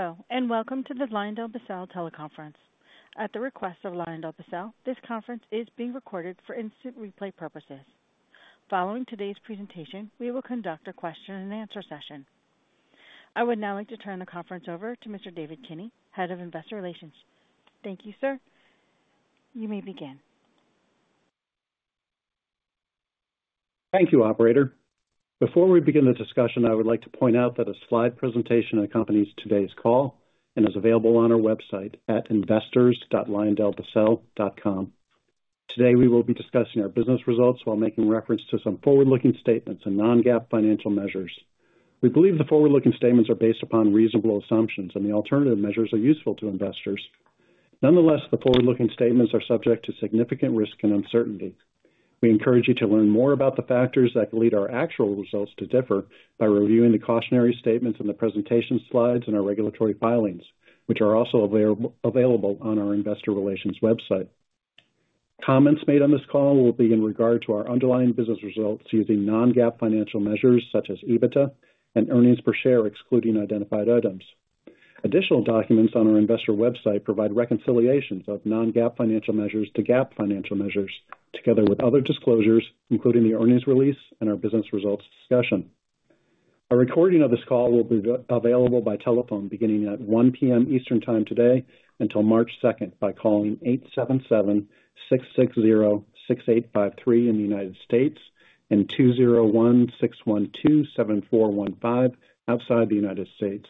Hello, and welcome to the LyondellBasell teleconference. At the request of LyondellBasell, this conference is being recorded for instant replay purposes. Following today's presentation, we will conduct a question-and-answer session. I would now like to turn the conference over to Mr. David Kinney, Head of Investor Relations. Thank you, sir. You may begin. Thank you, Operator. Before we begin the discussion, I would like to point out that a slide presentation accompanies today's call and is available on our website at investors.lyondellbasell.com. Today, we will be discussing our business results while making reference to some forward-looking statements and non-GAAP financial measures. We believe the forward-looking statements are based upon reasonable assumptions, and the alternative measures are useful to investors. Nonetheless, the forward-looking statements are subject to significant risk and uncertainty. We encourage you to learn more about the factors that could lead our actual results to differ by reviewing the cautionary statements and the presentation slides in our regulatory filings, which are also available on our Investor Relations website. Comments made on this call will be in regard to our underlying business results using non-GAAP financial measures such as EBITDA and earnings per share excluding identified items. Additional documents on our investor website provide reconciliations of non-GAAP financial measures to GAAP financial measures, together with other disclosures, including the earnings release and our business results discussion. A recording of this call will be available by telephone beginning at 1:00 P.M. Eastern Time today until March 2nd by calling 877-660-6853 in the United States and 201-612-7415 outside the United States.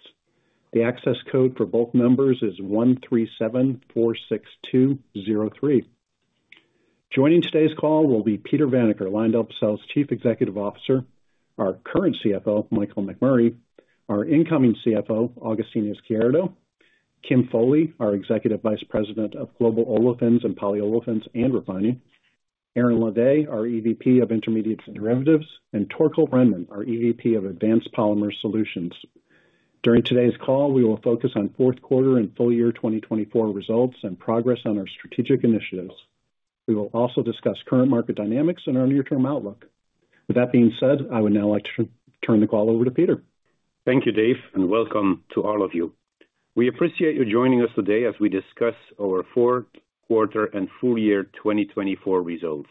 The access code for both numbers is 137-462-03. Joining today's call will be Peter Vanacker, LyondellBasell's Chief Executive Officer, our current CFO, Michael McMurray, our incoming CFO, Agustin Izquierdo, Kim Foley, our Executive Vice President of Global Olefins and Polyolefins and Refining, Aaron Ledet, our EVP of Intermediates and Derivatives, and Torkel Rhenman, our EVP of Advanced Polymer Solutions. During today's call, we will focus on fourth quarter and full year 2024 results and progress on our strategic initiatives. We will also discuss current market dynamics and our near-term outlook. With that being said, I would now like to turn the call over to Peter. Thank you, Dave, and welcome to all of you. We appreciate you joining us today as we discuss our fourth quarter and full year 2024 results.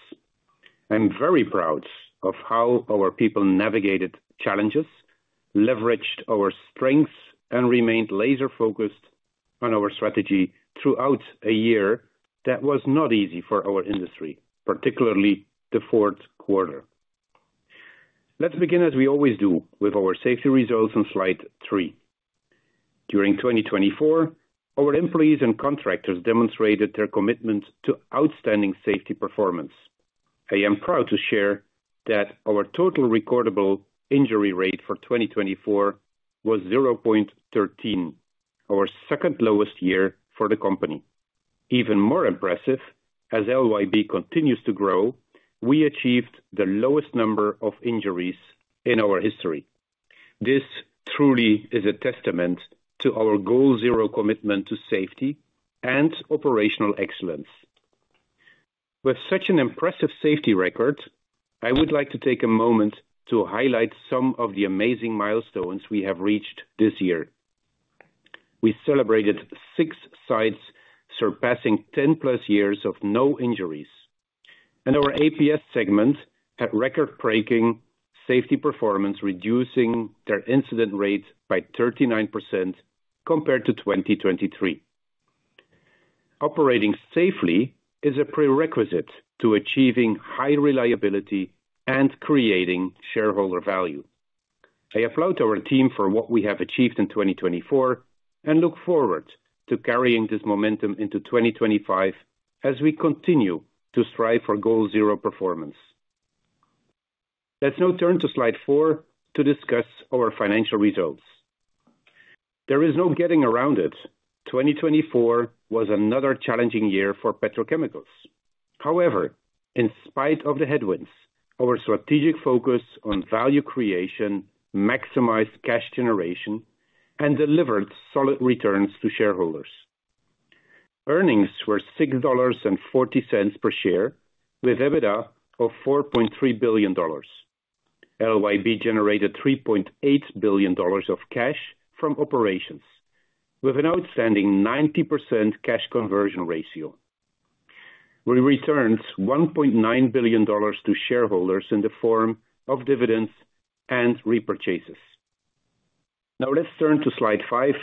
I'm very proud of how our people navigated challenges, leveraged our strengths, and remained laser-focused on our strategy throughout a year that was not easy for our industry, particularly the fourth quarter. Let's begin, as we always do, with our safety results on slide three. During 2024, our employees and contractors demonstrated their commitment to outstanding safety performance. I am proud to share that our total recordable injury rate for 2024 was 0.13, our second lowest year for the company. Even more impressive, as LYB continues to grow, we achieved the lowest number of injuries in our history. This truly is a testament to our Goal Zero commitment to safety and operational excellence. With such an impressive safety record, I would like to take a moment to highlight some of the amazing milestones we have reached this year. We celebrated six sites surpassing 10-plus years of no injuries, and our APS segment had record-breaking safety performance, reducing their incident rate by 39% compared to 2023. Operating safely is a prerequisite to achieving high reliability and creating shareholder value. I applaud our team for what we have achieved in 2024 and look forward to carrying this momentum into 2025 as we continue to strive for Goal Zero performance. Let's now turn to slide four to discuss our financial results. There is no getting around it. 2024 was another challenging year for petrochemicals. However, in spite of the headwinds, our strategic focus on value creation maximized cash generation and delivered solid returns to shareholders. Earnings were $6.40 per share, with EBITDA of $4.3 billion. LYB generated $3.8 billion of cash from operations, with an outstanding 90% cash conversion ratio. We returned $1.9 billion to shareholders in the form of dividends and repurchases. Now, let's turn to slide five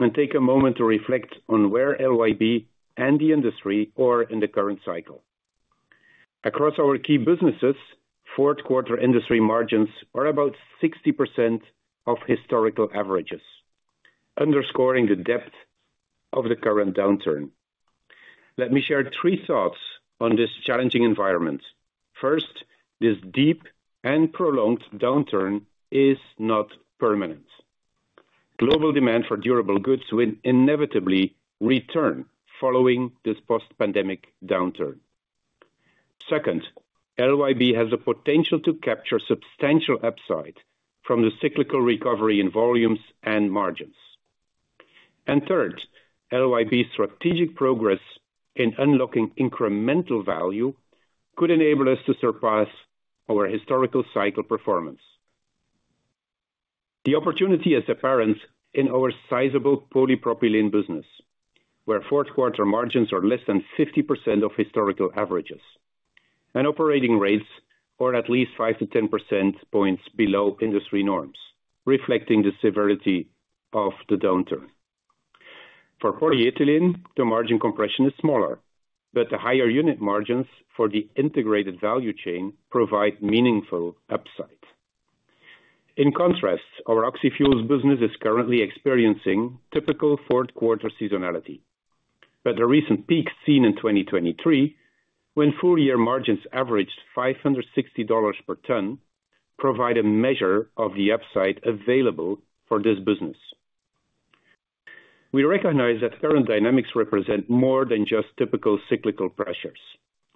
and take a moment to reflect on where LYB and the industry are in the current cycle. Across our key businesses, fourth quarter industry margins are about 60% of historical averages, underscoring the depth of the current downturn. Let me share three thoughts on this challenging environment. First, this deep and prolonged downturn is not permanent. Global demand for durable goods will inevitably return following this post-pandemic downturn. Second, LYB has the potential to capture substantial upside from the cyclical recovery in volumes and margins. And third, LYB's strategic progress in unlocking incremental value could enable us to surpass our historical cycle performance. The opportunity is apparent in our sizable polypropylene business, where fourth quarter margins are less than 50% of historical averages and operating rates are at least 5-10 percentage points below industry norms, reflecting the severity of the downturn. For polyethylene, the margin compression is smaller, but the higher unit margins for the integrated value chain provide meaningful upside. In contrast, our oxy-fuels business is currently experiencing typical fourth quarter seasonality, but the recent peaks seen in 2023, when full year margins averaged $560 per ton, provide a measure of the upside available for this business. We recognize that current dynamics represent more than just typical cyclical pressures.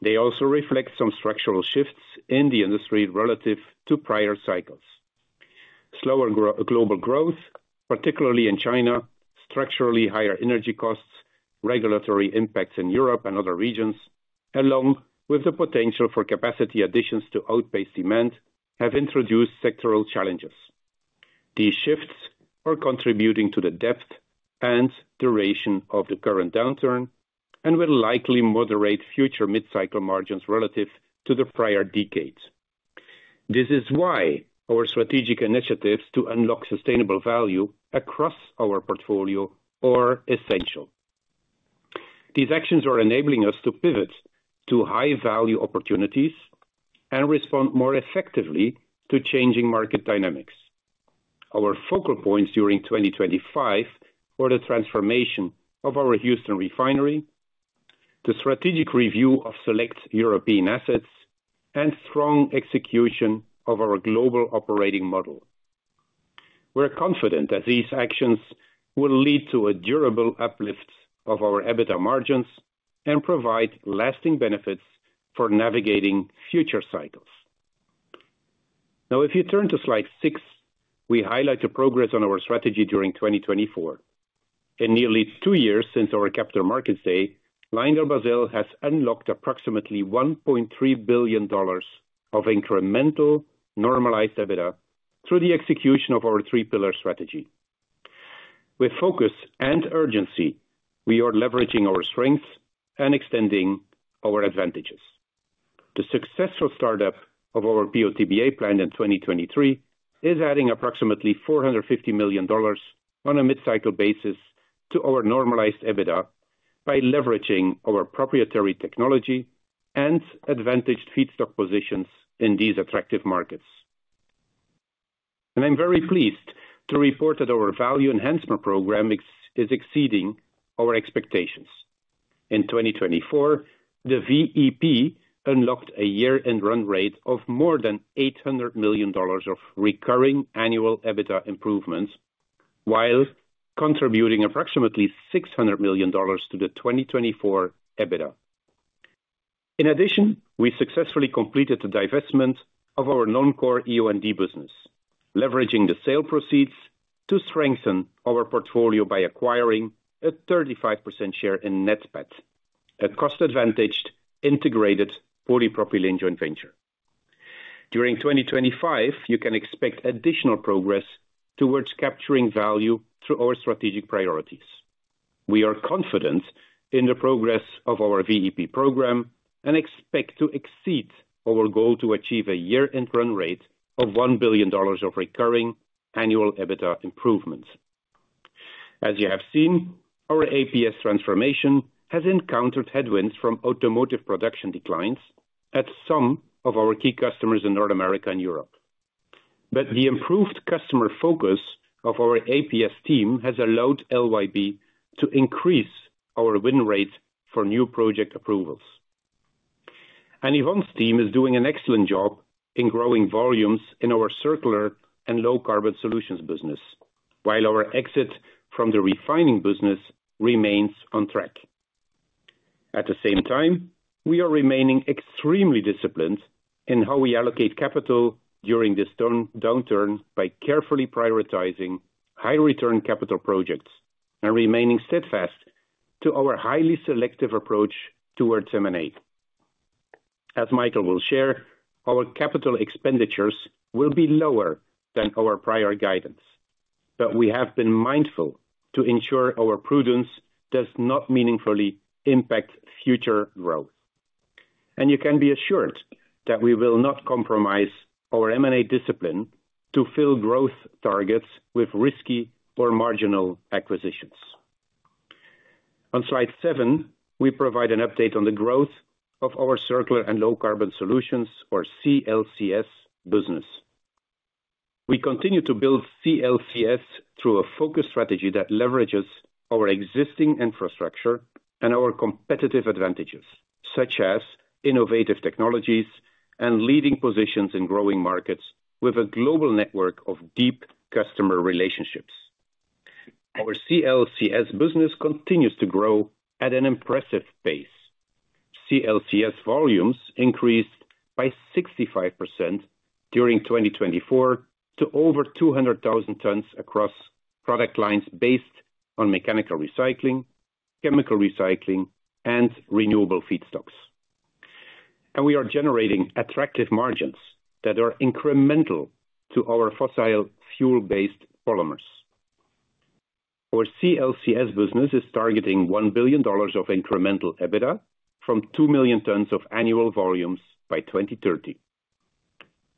They also reflect some structural shifts in the industry relative to prior cycles: slower global growth, particularly in China, structurally higher energy costs, regulatory impacts in Europe and other regions, along with the potential for capacity additions to outpace demand, have introduced sectoral challenges. These shifts are contributing to the depth and duration of the current downturn and will likely moderate future mid-cycle margins relative to the prior decades. This is why our strategic initiatives to unlock sustainable value across our portfolio are essential. These actions are enabling us to pivot to high-value opportunities and respond more effectively to changing market dynamics. Our focal points during 2025 were the transformation of our Houston refinery, the strategic review of select European assets, and strong execution of our global operating model. We're confident that these actions will lead to a durable uplift of our EBITDA margins and provide lasting benefits for navigating future cycles. Now, if you turn to slide six, we highlight the progress on our strategy during 2024. In nearly two years since our Capital Markets Day, LyondellBasell has unlocked approximately $1.3 billion of incremental normalized EBITDA through the execution of our three-pillar strategy. With focus and urgency, we are leveraging our strengths and extending our advantages. The successful startup of our PO/TBA plant in 2023 is adding approximately $450 million on a mid-cycle basis to our normalized EBITDA by leveraging our proprietary technology and advantaged feedstock positions in these attractive markets. And I'm very pleased to report that our Value Enhancement Program is exceeding our expectations. In 2024, the VEP unlocked a year-end run rate of more than $800 million of recurring annual EBITDA improvements, while contributing approximately $600 million to the 2024 EBITDA. In addition, we successfully completed the divestment of our non-core EO&D business, leveraging the sale proceeds to strengthen our portfolio by acquiring a 35% share in NATPET, a cost-advantaged integrated polypropylene joint venture. During 2025, you can expect additional progress towards capturing value through our strategic priorities. We are confident in the progress of our VEP program and expect to exceed our goal to achieve a year-end run rate of $1 billion of recurring annual EBITDA improvements. As you have seen, our APS transformation has encountered headwinds from automotive production declines at some of our key customers in North America and Europe. But the improved customer focus of our APS team has allowed LYB to increase our win rate for new project approvals. Yvonne's team is doing an excellent job in growing volumes in our circular and low-carbon solutions business, while our exit from the refining business remains on track. At the same time, we are remaining extremely disciplined in how we allocate capital during this downturn by carefully prioritizing high-return capital projects and remaining steadfast to our highly selective approach towards M&A. As Michael will share, our capital expenditures will be lower than our prior guidance, but we have been mindful to ensure our prudence does not meaningfully impact future growth. You can be assured that we will not compromise our M&A discipline to fill growth targets with risky or marginal acquisitions. On slide seven, we provide an update on the growth of our circular and low-carbon solutions, or CLCS, business. We continue to build CLCS through a focused strategy that leverages our existing infrastructure and our competitive advantages, such as innovative technologies and leading positions in growing markets with a global network of deep customer relationships. Our CLCS business continues to grow at an impressive pace. CLCS volumes increased by 65% during 2024 to over 200,000 tons across product lines based on mechanical recycling, chemical recycling, and renewable feedstocks, and we are generating attractive margins that are incremental to our fossil fuel-based polymers. Our CLCS business is targeting $1 billion of incremental EBITDA from 2 million tons of annual volumes by 2030.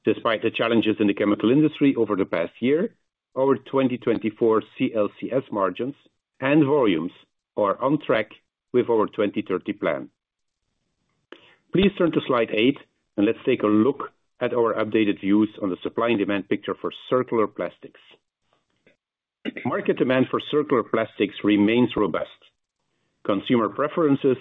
Despite the challenges in the chemical industry over the past year, our 2024 CLCS margins and volumes are on track with our 2030 plan. Please turn to slide eight, and let's take a look at our updated views on the supply and demand picture for circular plastics. Market demand for circular plastics remains robust. Consumer preferences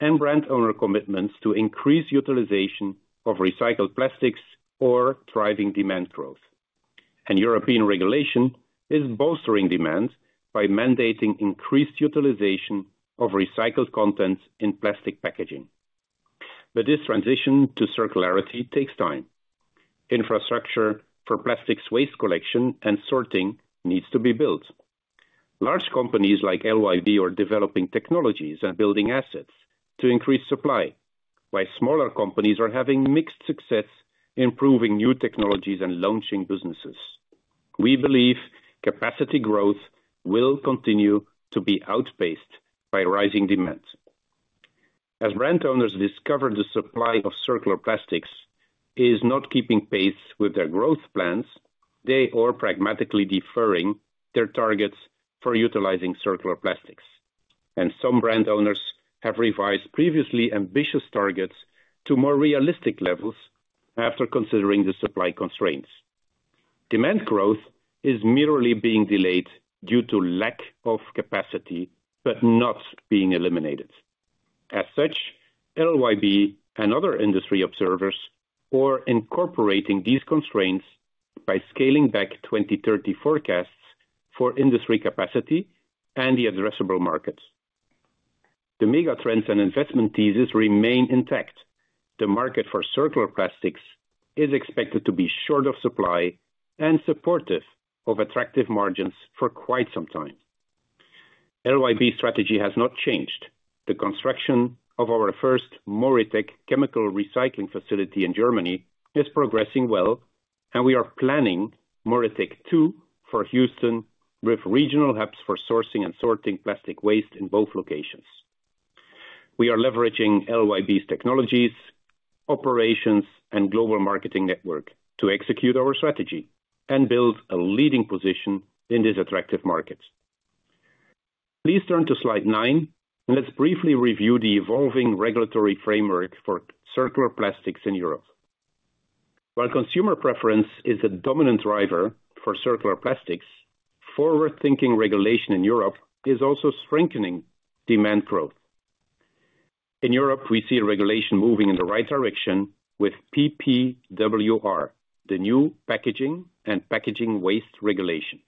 and brand owner commitments to increase utilization of recycled plastics are driving demand growth. And European regulation is bolstering demand by mandating increased utilization of recycled contents in plastic packaging. But this transition to circularity takes time. Infrastructure for plastics waste collection and sorting needs to be built. Large companies like LYB are developing technologies and building assets to increase supply, while smaller companies are having mixed success improving new technologies and launching businesses. We believe capacity growth will continue to be outpaced by rising demand. As brand owners discover the supply of circular plastics is not keeping pace with their growth plans, they are pragmatically deferring their targets for utilizing circular plastics. Some brand owners have revised previously ambitious targets to more realistic levels after considering the supply constraints. Demand growth is merely being delayed due to lack of capacity, but not being eliminated. As such, LYB and other industry observers are incorporating these constraints by scaling back 2030 forecasts for industry capacity and the addressable markets. The mega trends and investment theses remain intact. The market for circular plastics is expected to be short of supply and supportive of attractive margins for quite some time. LYB's strategy has not changed. The construction of our first MoReTec chemical recycling facility in Germany is progressing well, and we are planning MoReTec-2 for Houston with regional hubs for sourcing and sorting plastic waste in both locations. We are leveraging LYB's technologies, operations, and global marketing network to execute our strategy and build a leading position in these attractive markets. Please turn to slide nine, and let's briefly review the evolving regulatory framework for circular plastics in Europe. While consumer preference is the dominant driver for circular plastics, forward-thinking regulation in Europe is also strengthening demand growth. In Europe, we see regulation moving in the right direction with PPWR, the new packaging and packaging waste regulation.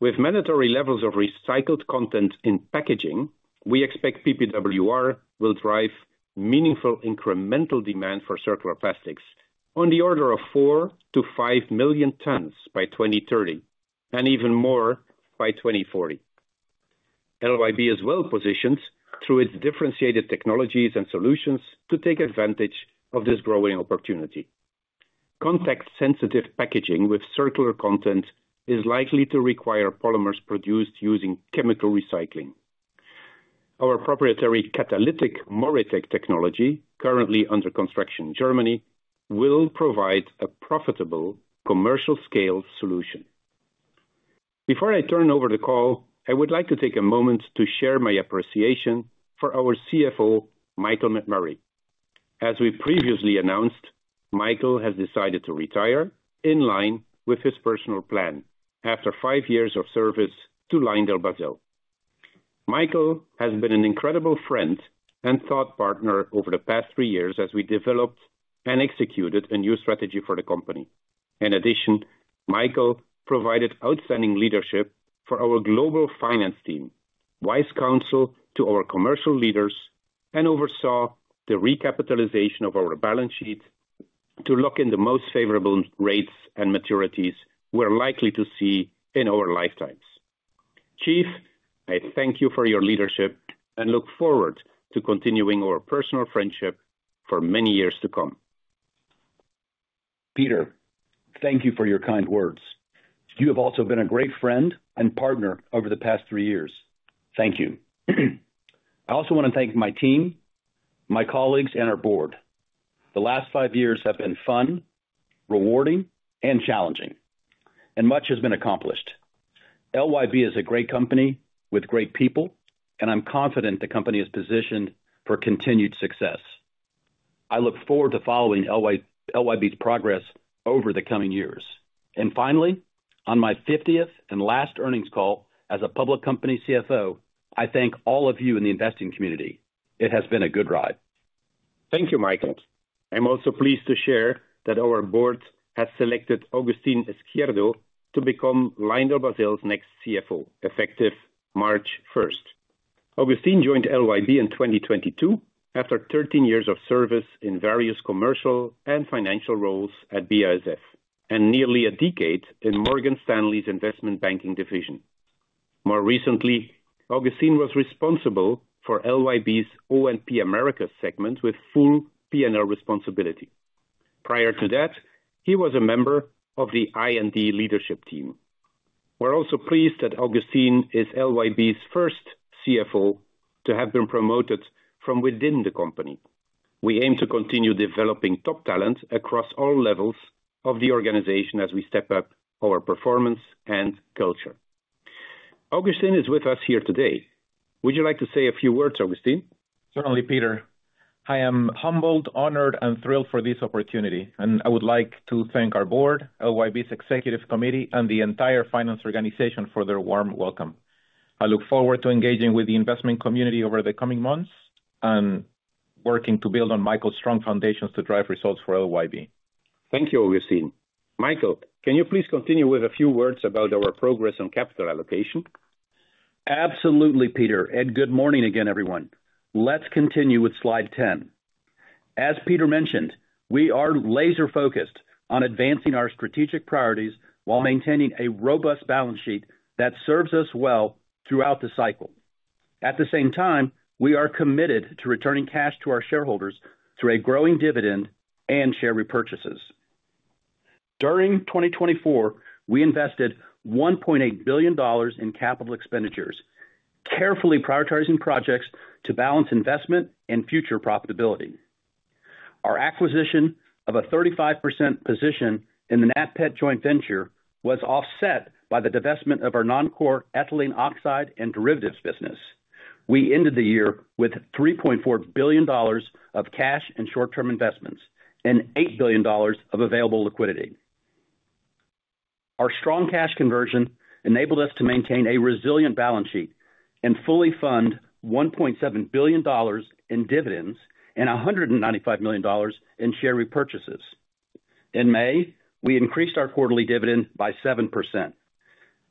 With mandatory levels of recycled content in packaging, we expect PPWR will drive meaningful incremental demand for circular plastics on the order of four to five million tons by 2030 and even more by 2040. LYB is well positioned through its differentiated technologies and solutions to take advantage of this growing opportunity. Contact-sensitive packaging with circular content is likely to require polymers produced using chemical recycling. Our proprietary catalytic MoReTec technology, currently under construction in Germany, will provide a profitable commercial-scale solution. Before I turn over the call, I would like to take a moment to share my appreciation for our CFO, Michael McMurray. As we previously announced, Michael has decided to retire in line with his personal plan after five years of service to LyondellBasell. Michael has been an incredible friend and thought partner over the past three years as we developed and executed a new strategy for the company. In addition, Michael provided outstanding leadership for our global finance team, wise counsel to our commercial leaders, and oversaw the recapitalization of our balance sheet to lock in the most favorable rates and maturities we're likely to see in our lifetimes. Chief, I thank you for your leadership and look forward to continuing our personal friendship for many years to come. Peter, thank you for your kind words. You have also been a great friend and partner over the past three years. Thank you. I also want to thank my team, my colleagues, and our board. The last five years have been fun, rewarding, and challenging, and much has been accomplished. LYB is a great company with great people, and I'm confident the company is positioned for continued success. I look forward to following LYB's progress over the coming years. Finally, on my 50th and last earnings call as a public company CFO, I thank all of you in the investing community. It has been a good ride. Thank you, Michael. I'm also pleased to share that our board has selected Agustin Izquierdo to become LyondellBasell's next CFO effective March 1st. Agustin joined LYB in 2022 after 13 years of service in various commercial and financial roles at BASF and nearly a decade in Morgan Stanley's investment banking division. More recently, Agustin was responsible for LYB's O&P Americas segment with full P&L responsibility. Prior to that, he was a member of the I&D leadership team. We're also pleased that Agustin is LYB's first CFO to have been promoted from within the company. We aim to continue developing top talent across all levels of the organization as we step up our performance and culture. Agustin is with us here today. Would you like to say a few words, Agustin? Certainly, Peter. I am humbled, honored, and thrilled for this opportunity, and I would like to thank our board, LYB's executive committee, and the entire finance organization for their warm welcome. I look forward to engaging with the investment community over the coming months and working to build on Michael's strong foundations to drive results for LYB. Thank you, Agustin. Michael, can you please continue with a few words about our progress on capital allocation? Absolutely, Peter. Good morning again, everyone. Let's continue with slide 10. As Peter mentioned, we are laser-focused on advancing our strategic priorities while maintaining a robust balance sheet that serves us well throughout the cycle. At the same time, we are committed to returning cash to our shareholders through a growing dividend and share repurchases. During 2024, we invested $1.8 billion in capital expenditures, carefully prioritizing projects to balance investment and future profitability. Our acquisition of a 35% position in the NATPET joint venture was offset by the divestment of our non-core ethylene oxide and derivatives business. We ended the year with $3.4 billion of cash and short-term investments and $8 billion of available liquidity. Our strong cash conversion enabled us to maintain a resilient balance sheet and fully fund $1.7 billion in dividends and $195 million in share repurchases. In May, we increased our quarterly dividend by 7%,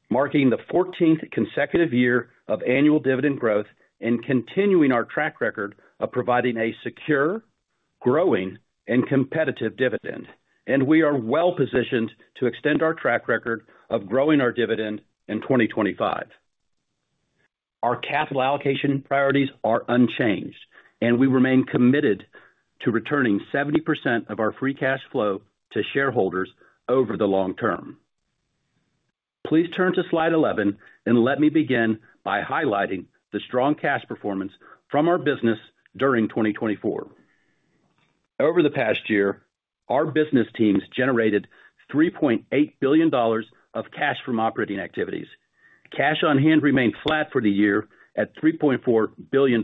marking the 14th consecutive year of annual dividend growth and continuing our track record of providing a secure, growing, and competitive dividend, and we are well positioned to extend our track record of growing our dividend in 2025. Our capital allocation priorities are unchanged, and we remain committed to returning 70% of our free cash flow to shareholders over the long term. Please turn to slide 11, and let me begin by highlighting the strong cash performance from our business during 2024. Over the past year, our business teams generated $3.8 billion of cash from operating activities. Cash on hand remained flat for the year at $3.4 billion.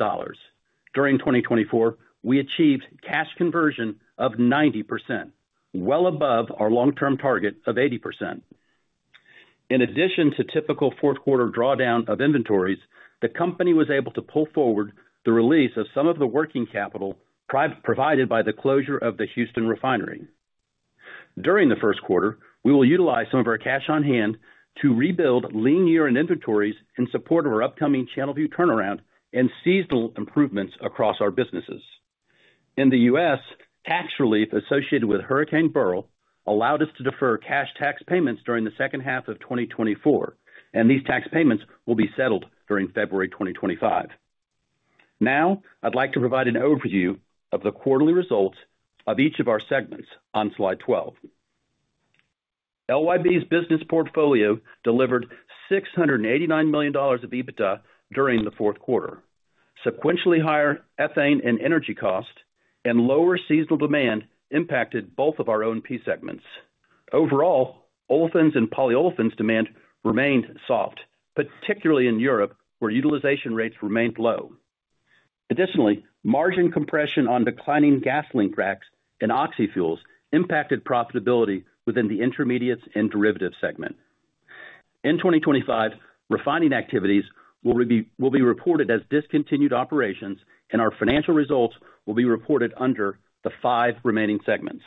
During 2024, we achieved cash conversion of 90%, well above our long-term target of 80%. In addition to typical fourth quarter drawdown of inventories, the company was able to pull forward the release of some of the working capital provided by the closure of the Houston refinery. During the first quarter, we will utilize some of our cash on hand to rebuild lean-year-end inventories in support of our upcoming Channelview turnaround and seasonal improvements across our businesses. In the U.S., tax relief associated with Hurricane Beryl allowed us to defer cash tax payments during the second half of 2024, and these tax payments will be settled during February 2025. Now, I'd like to provide an overview of the quarterly results of each of our segments on slide 12. LYB's business portfolio delivered $689 million of EBITDA during the fourth quarter. Sequentially higher ethane and energy costs and lower seasonal demand impacted both of our O&P segments. Overall, olefins and polyolefins demand remained soft, particularly in Europe, where utilization rates remained low. Additionally, margin compression on declining gasoline cracks and oxy-fuels impacted profitability within the intermediates and derivatives segment. In 2025, refining activities will be reported as discontinued operations, and our financial results will be reported under the five remaining segments.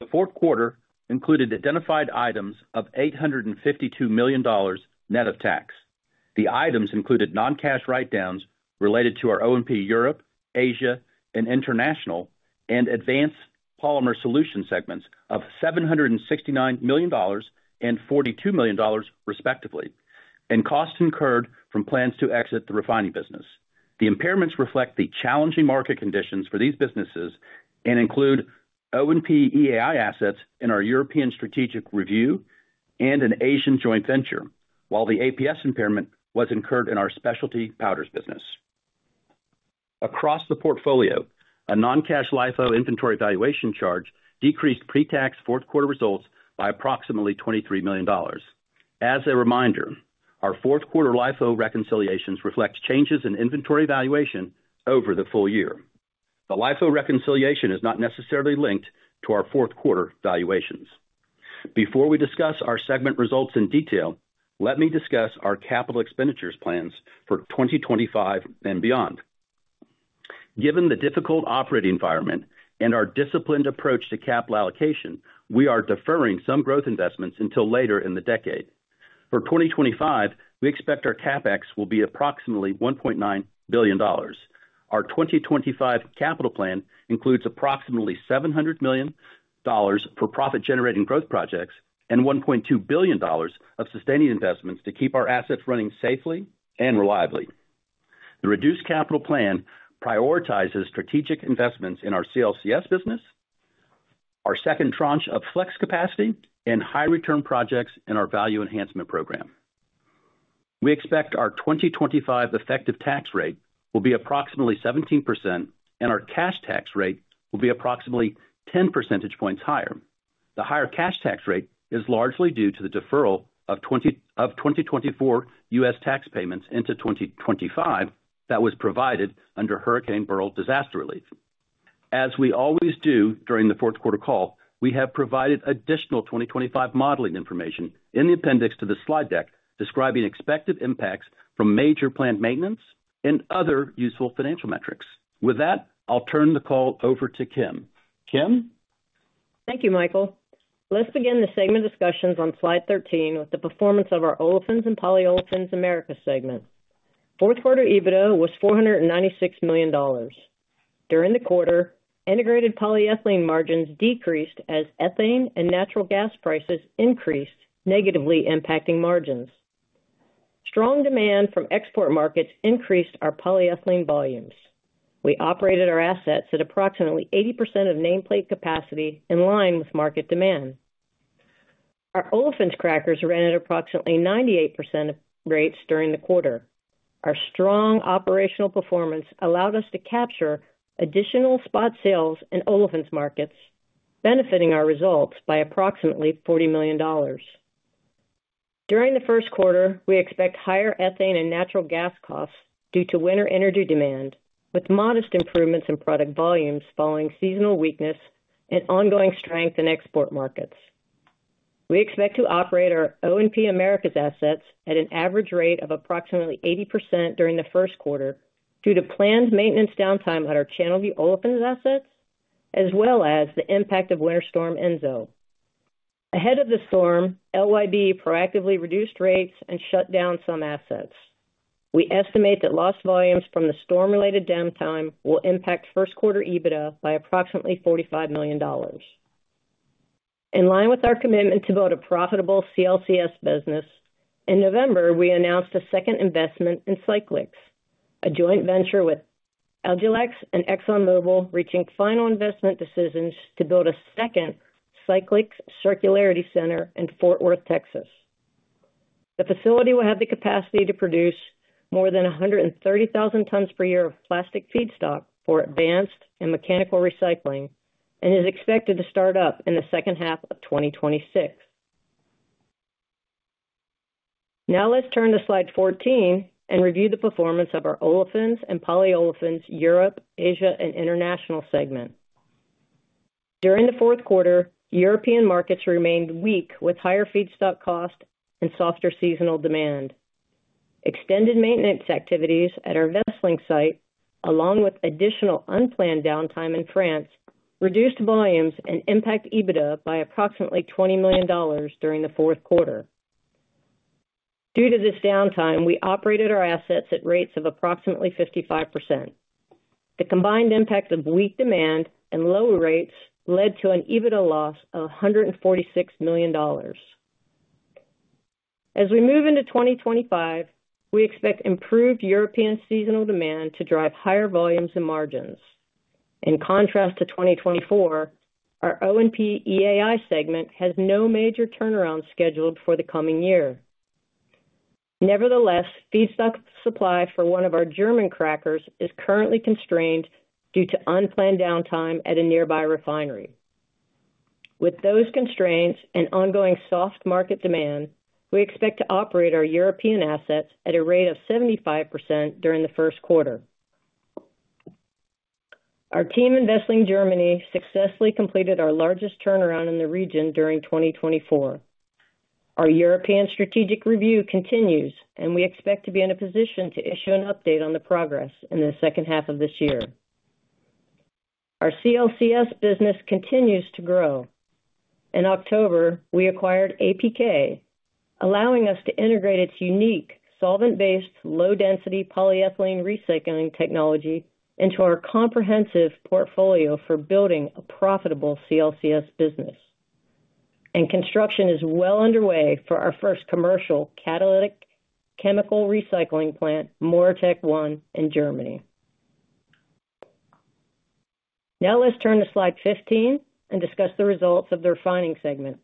The fourth quarter included identified items of $852 million net of tax. The items included non-cash write-downs related to our O&P Europe, Asia, and International, and advanced polymer solutions segments of $769 million and $42 million, respectively, and costs incurred from plans to exit the refining business. The impairments reflect the challenging market conditions for these businesses and include O&P EAI assets in our European strategic review and an Asian joint venture, while the APS impairment was incurred in our specialty powders business. Across the portfolio, a non-cash LIFO inventory valuation charge decreased pre-tax fourth quarter results by approximately $23 million. As a reminder, our fourth quarter LIFO reconciliations reflect changes in inventory valuation over the full year. The LIFO reconciliation is not necessarily linked to our fourth quarter valuations. Before we discuss our segment results in detail, let me discuss our capital expenditures plans for 2025 and beyond. Given the difficult operating environment and our disciplined approach to capital allocation, we are deferring some growth investments until later in the decade. For 2025, we expect our CapEx will be approximately $1.9 billion. Our 2025 capital plan includes approximately $700 million for profit-generating growth projects and $1.2 billion of sustaining investments to keep our assets running safely and reliably. The reduced capital plan prioritizes strategic investments in our CLCS business, our second tranche of flex capacity, and high-return projects in our value enhancement program. We expect our 2025 effective tax rate will be approximately 17%, and our cash tax rate will be approximately 10 percentage points higher. The higher cash tax rate is largely due to the deferral of 2024 U.S. tax payments into 2025 that was provided under Hurricane Beryl disaster relief. As we always do during the fourth quarter call, we have provided additional 2025 modeling information in the appendix to the slide deck describing expected impacts from major plant maintenance and other useful financial metrics. With that, I'll turn the call over to Kim. Kim? Thank you, Michael. Let's begin the segment discussions on slide 13 with the performance of our Olefins and Polyolefins Americas segment. Fourth quarter EBITDA was $496 million. During the quarter, integrated polyethylene margins decreased as ethane and natural gas prices increased, negatively impacting margins. Strong demand from export markets increased our polyethylene volumes. We operated our assets at approximately 80% of nameplate capacity in line with market demand. Our olefins crackers ran at approximately 98% of rates during the quarter. Our strong operational performance allowed us to capture additional spot sales in olefins markets, benefiting our results by approximately $40 million. During the first quarter, we expect higher ethane and natural gas costs due to winter energy demand, with modest improvements in product volumes following seasonal weakness and ongoing strength in export markets. We expect to operate our O&P Americas assets at an average rate of approximately 80% during the first quarter due to planned maintenance downtime at our Channelview olefins assets, as well as the impact of Winter Storm Enzo. Ahead of the storm, LYB proactively reduced rates and shut down some assets. We estimate that lost volumes from the storm-related downtime will impact first quarter EBITDA by approximately $45 million. In line with our commitment to build a profitable CLCS business, in November, we announced a second investment in Cyclyx, a joint venture with Agilyx and ExxonMobil reaching final investment decisions to build a second Cyclyx Circularity Center in Fort Worth, Texas. The facility will have the capacity to produce more than 130,000 tons per year of plastic feedstock for advanced and mechanical recycling and is expected to start up in the second half of 2026. Now, let's turn to slide 14 and review the performance of our olefins and polyolefins Europe, Asia, and international segment. During the fourth quarter, European markets remained weak with higher feedstock costs and softer seasonal demand. Extended maintenance activities at our Wesseling site, along with additional unplanned downtime in France, reduced volumes and impacted EBITDA by approximately $20 million during the fourth quarter. Due to this downtime, we operated our assets at rates of approximately 55%. The combined impact of weak demand and lower rates led to an EBITDA loss of $146 million. As we move into 2025, we expect improved European seasonal demand to drive higher volumes and margins. In contrast to 2024, our O&P EAI segment has no major turnaround scheduled for the coming year. Nevertheless, feedstock supply for one of our German crackers is currently constrained due to unplanned downtime at a nearby refinery. With those constraints and ongoing soft market demand, we expect to operate our European assets at a rate of 75% during the first quarter. Our team in Wesseling, Germany, successfully completed our largest turnaround in the region during 2024. Our European strategic review continues, and we expect to be in a position to issue an update on the progress in the second half of this year. Our CLCS business continues to grow. In October, we acquired APK, allowing us to integrate its unique solvent-based low-density polyethylene recycling technology into our comprehensive portfolio for building a profitable CLCS business. Construction is well underway for our first commercial catalytic chemical recycling plant, MoReTec-1, in Germany. Now, let's turn to slide 15 and discuss the results of the refining segment.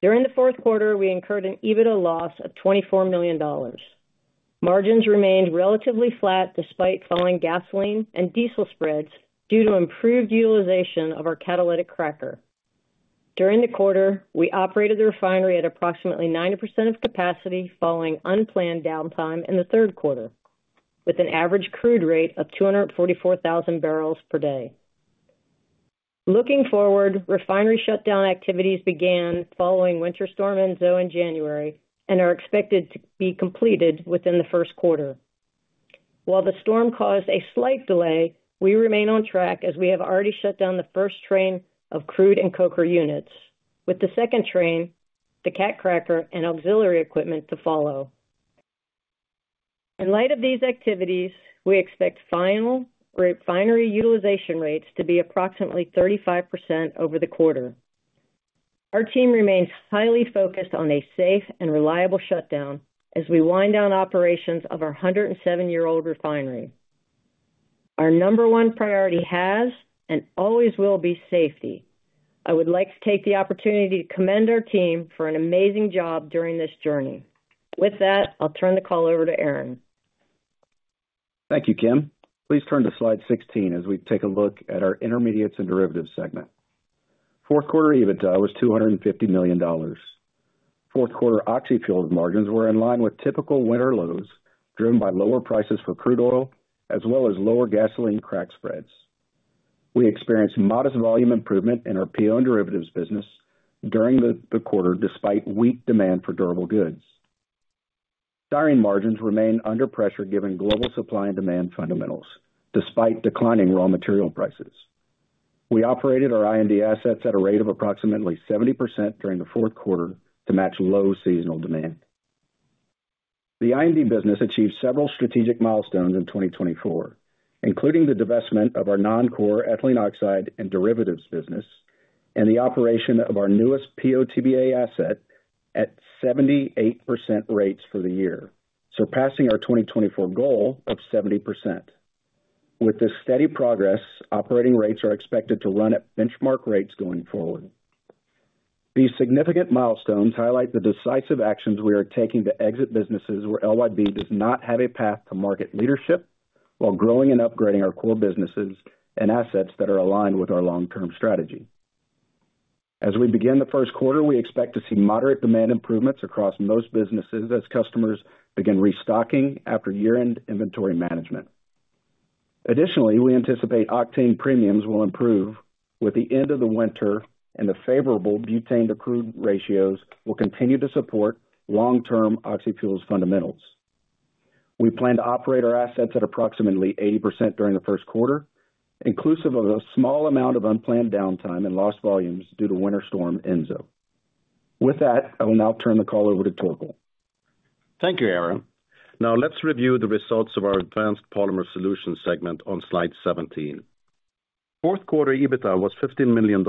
During the fourth quarter, we incurred an EBITDA loss of $24 million. Margins remained relatively flat despite falling gasoline and diesel spreads due to improved utilization of our catalytic cracker. During the quarter, we operated the refinery at approximately 90% of capacity following unplanned downtime in the third quarter, with an average crude rate of 244,000 barrels per day. Looking forward, refinery shutdown activities began following Winter Storm Enzo in January and are expected to be completed within the first quarter. While the storm caused a slight delay, we remain on track as we have already shut down the first train of crude and coker units, with the second train, the cat cracker, and auxiliary equipment to follow. In light of these activities, we expect final refinery utilization rates to be approximately 35% over the quarter. Our team remains highly focused on a safe and reliable shutdown as we wind down operations of our 107-year-old refinery. Our number one priority has and always will be safety. I would like to take the opportunity to commend our team for an amazing job during this journey. With that, I'll turn the call over to Aaron. Thank you, Kim. Please turn to slide 16 as we take a look at our intermediates and derivatives segment. Fourth quarter EBITDA was $250 million. Fourth quarter oxy-fuels margins were in line with typical winter lows driven by lower prices for crude oil, as well as lower gasoline crack spreads. We experienced modest volume improvement in our PO and derivatives business during the quarter despite weak demand for durable goods. Styrene margins remain under pressure given global supply and demand fundamentals despite declining raw material prices. We operated our I&D assets at a rate of approximately 70% during the fourth quarter to match low seasonal demand. The I&D business achieved several strategic milestones in 2024, including the divestment of our non-core Ethylene Oxide and Derivatives business and the operation of our newest PO/TBA asset at 78% rates for the year, surpassing our 2024 goal of 70%. With this steady progress, operating rates are expected to run at benchmark rates going forward. These significant milestones highlight the decisive actions we are taking to exit businesses where LYB does not have a path to market leadership while growing and upgrading our core businesses and assets that are aligned with our long-term strategy. As we begin the first quarter, we expect to see moderate demand improvements across most businesses as customers begin restocking after year-end inventory management. Additionally, we anticipate octane premiums will improve with the end of the winter and the favorable butane-to-crude ratios will continue to support long-term oxy-fuels fundamentals. We plan to operate our assets at approximately 80% during the first quarter, inclusive of a small amount of unplanned downtime and lost volumes due to Winter Storm Enzo. With that, I will now turn the call over to Torkel. Thank you, Aaron. Now, let's review the results of our Advanced Polymer Solutions segment on slide 17. Fourth quarter EBITDA was $15 million.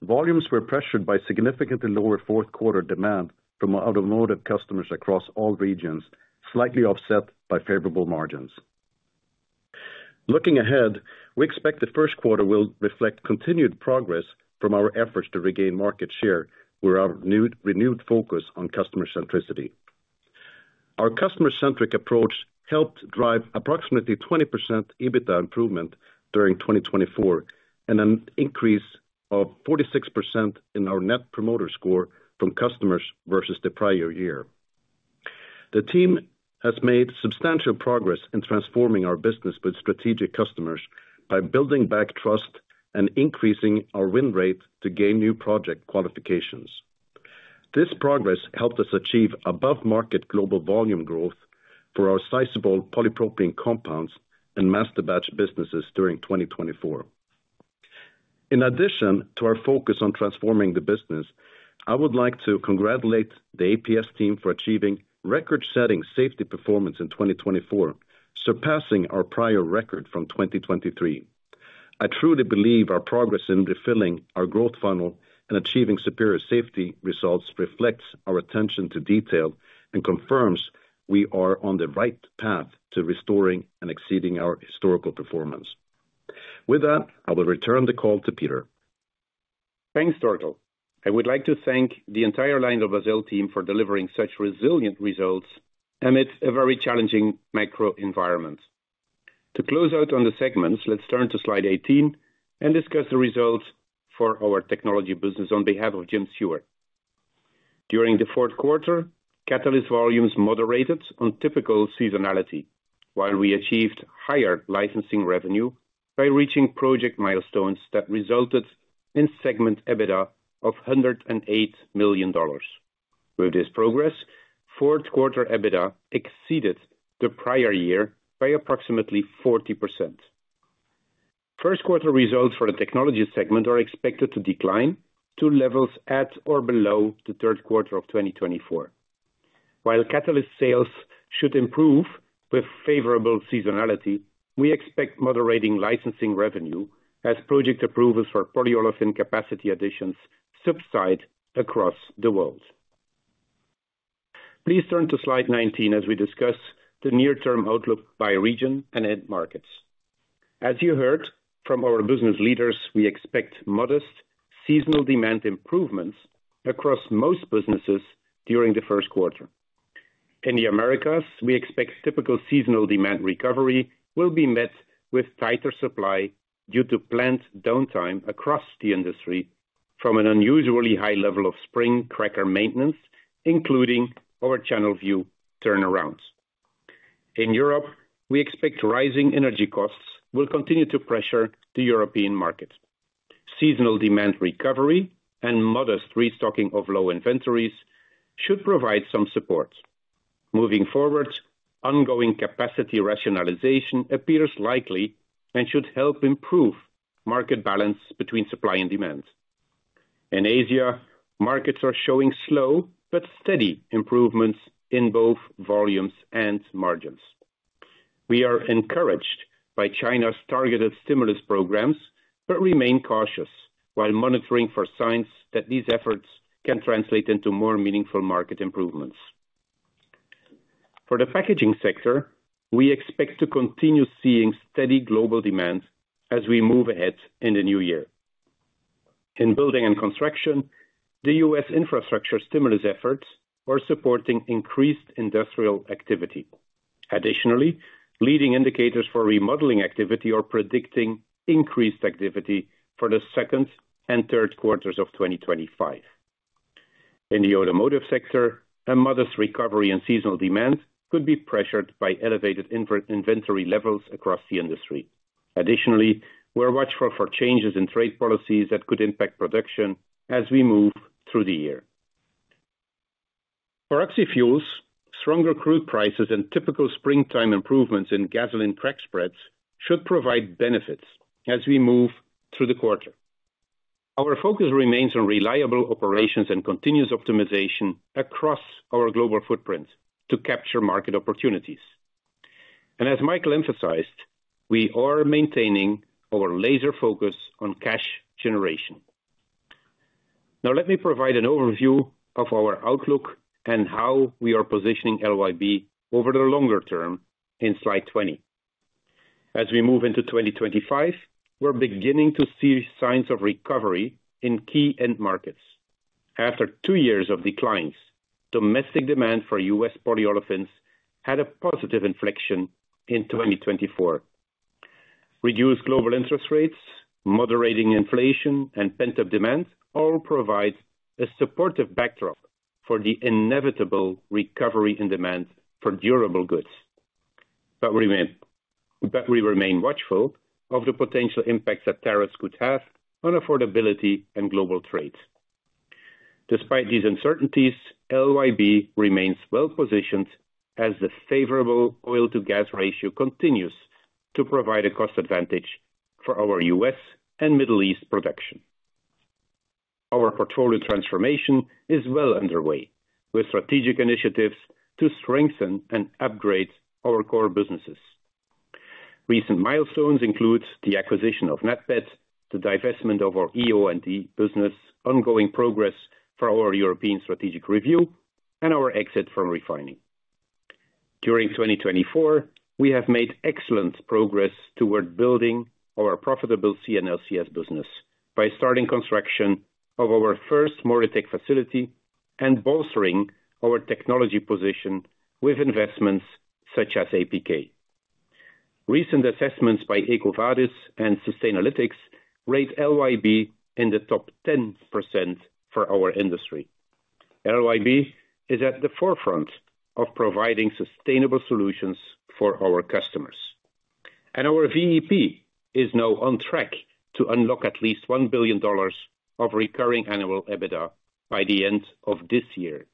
Volumes were pressured by significantly lower fourth quarter demand from automotive customers across all regions, slightly offset by favorable margins. Looking ahead, we expect the first quarter will reflect continued progress from our efforts to regain market share with our renewed focus on customer centricity. Our customer-centric approach helped drive approximately 20% EBITDA improvement during 2024 and an increase of 46% in our net promoter score from customers versus the prior year. The team has made substantial progress in transforming our business with strategic customers by building back trust and increasing our win rate to gain new project qualifications. This progress helped us achieve above-market global volume growth for our sizable polypropylene compounds and master batch businesses during 2024. In addition to our focus on transforming the business, I would like to congratulate the APS team for achieving record-setting safety performance in 2024, surpassing our prior record from 2023. I truly believe our progress in refilling our growth funnel and achieving superior safety results reflects our attention to detail and confirms we are on the right path to restoring and exceeding our historical performance. With that, I will return the call to Peter. Thanks, Torkel. I would like to thank the entire LyondellBasell team for delivering such resilient results amidst a very challenging macro environment. To close out on the segments, let's turn to slide 18 and discuss the results for our technology business on behalf of Jim Seward. During the fourth quarter, catalyst volumes moderated on typical seasonality, while we achieved higher licensing revenue by reaching project milestones that resulted in segment EBITDA of $108 million. With this progress, fourth quarter EBITDA exceeded the prior year by approximately 40%. First quarter results for the technology segment are expected to decline to levels at or below the third quarter of 2024. While catalyst sales should improve with favorable seasonality, we expect moderating licensing revenue as project approvals for polyolefin capacity additions subside across the world. Please turn to slide 19 as we discuss the near-term outlook by region and end markets. As you heard from our business leaders, we expect modest seasonal demand improvements across most businesses during the first quarter. In the Americas, we expect typical seasonal demand recovery will be met with tighter supply due to plant downtime across the industry from an unusually high level of spring cracker maintenance, including our Channelview turnarounds. In Europe, we expect rising energy costs will continue to pressure the European market. Seasonal demand recovery and modest restocking of low inventories should provide some support. Moving forward, ongoing capacity rationalization appears likely and should help improve market balance between supply and demand. In Asia, markets are showing slow but steady improvements in both volumes and margins. We are encouraged by China's targeted stimulus programs but remain cautious while monitoring for signs that these efforts can translate into more meaningful market improvements. For the packaging sector, we expect to continue seeing steady global demand as we move ahead in the new year. In building and construction, the U.S. Infrastructure stimulus efforts are supporting increased industrial activity. Additionally, leading indicators for remodeling activity are predicting increased activity for the second and third quarters of 2025. In the automotive sector, a modest recovery in seasonal demand could be pressured by elevated inventory levels across the industry. Additionally, we're watchful for changes in trade policies that could impact production as we move through the year. For oxy fuels, stronger crude prices and typical springtime improvements in gasoline crack spreads should provide benefits as we move through the quarter. Our focus remains on reliable operations and continuous optimization across our global footprint to capture market opportunities, and as Michael emphasized, we are maintaining our laser focus on cash generation. Now, let me provide an overview of our outlook and how we are positioning LYB over the longer term in slide 20. As we move into 2025, we're beginning to see signs of recovery in key end markets. After two years of declines, domestic demand for U.S. polyolefins had a positive inflection in 2024. Reduced global interest rates, moderating inflation, and pent-up demand all provide a supportive backdrop for the inevitable recovery in demand for durable goods. But we remain watchful of the potential impacts that tariffs could have on affordability and global trade. Despite these uncertainties, LYB remains well-positioned as the favorable oil-to-gas ratio continues to provide a cost advantage for our U.S. and Middle East production. Our portfolio transformation is well underway with strategic initiatives to strengthen and upgrade our core businesses. Recent milestones include the acquisition of NATPET, the divestment of our EO&D business, ongoing progress for our European strategic review, and our exit from refining. During 2024, we have made excellent progress toward building our profitable CLCS business by starting construction of our first MoReTec facility and bolstering our technology position with investments such as APK. Recent assessments by EcoVadis and Sustainalytics rate LYB in the top 10% for our industry. LYB is at the forefront of providing sustainable solutions for our customers. And our VEP is now on track to unlock at least $1 billion of recurring annual EBITDA by the end of this year.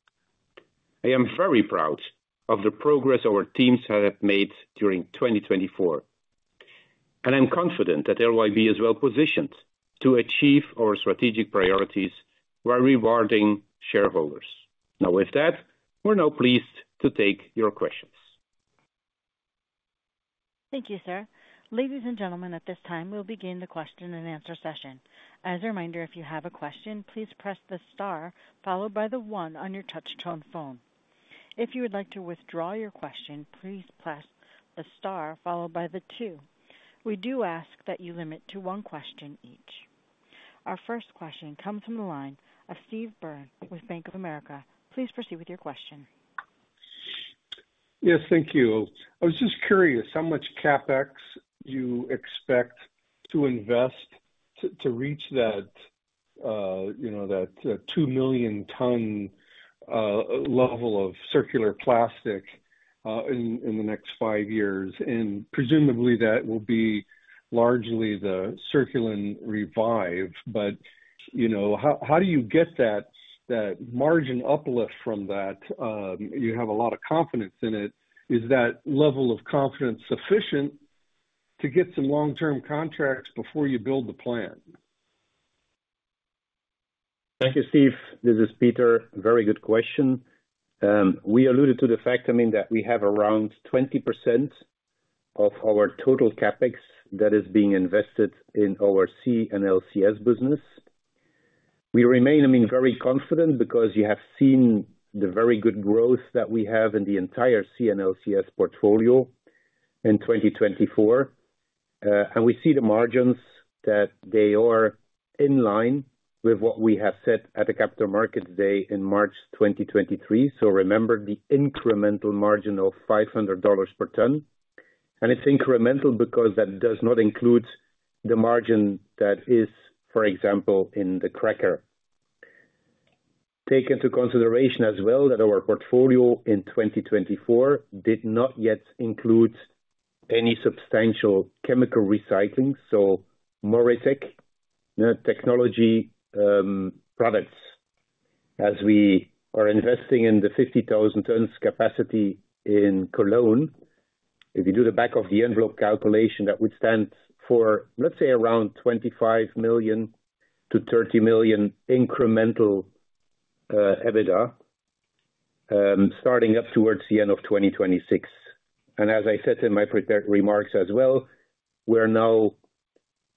I am very proud of the progress our teams have made during 2024. And I'm confident that LYB is well-positioned to achieve our strategic priorities while rewarding shareholders. Now, with that, we're now pleased to take your questions. Thank you, sir. Ladies and gentlemen, at this time, we'll begin the question-and-answer session. As a reminder, if you have a question, please press the star followed by the one on your touch-tone phone. If you would like to withdraw your question, please press the star followed by the two. We do ask that you limit to one question each. Our first question comes from the line of Steve Byrne with Bank of America. Please proceed with your question. Yes, thank you. I was just curious how much CapEx you expect to invest to reach that, you know, that two million-ton level of circular plastic in the next five years. Presumably, that will be largely the CirculenRevive. But, you know, how do you get that margin uplift from that? You have a lot of confidence in it. Is that level of confidence sufficient to get some long-term contracts before you build the plan? Thank you, Steve. This is Peter. Very good question. We alluded to the fact, I mean, that we have around 20% of our total CapEx that is being invested in our CLCS business. We remain, I mean, very confident because you have seen the very good growth that we have in the entire CLCS portfolio in 2024. We see the margins that they are in line with what we have set at the Capital Markets Day in March 2023. So remember the incremental margin of $500 per ton. It's incremental because that does not include the margin that is, for example, in the cracker. Take into consideration as well that our portfolio in 2024 did not yet include any substantial chemical recycling. So MoReTec technology products, as we are investing in the 50,000 tons capacity in Cologne, if you do the back-of-the-envelope calculation, that would stand for, let's say, around $25 million-$30 million incremental EBITDA starting up towards the end of 2026. As I said in my prepared remarks as well, we're now